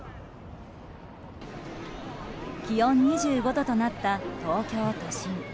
気温２５度となった東京都心。